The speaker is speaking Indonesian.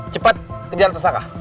cepat kejar tersangka